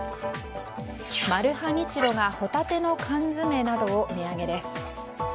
マルハニチロがホタテの缶詰などを値上げです。